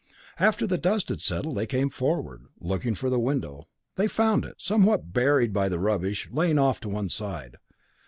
After the dust had settled they came forward, looking for the window. They found it, somewhat buried by the rubbish, lying off to one side.